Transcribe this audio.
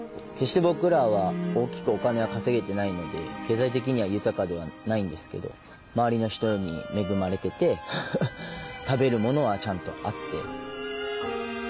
決して僕らは大きくお金は稼げてないので経済的には豊かではないんですけど周りの人に恵まれてて食べるものはちゃんとあって。